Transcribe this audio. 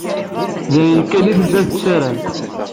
D ayen kan i tella tessaram.